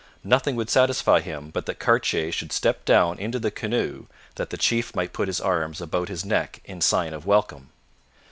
Nothing would satisfy him but that Cartier should step down into the canoe, that the chief might put his arms about his neck in sign of welcome.